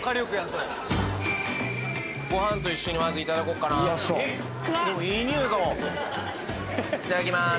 それご飯と一緒にまず頂こっかなでもいい匂いかもいただきます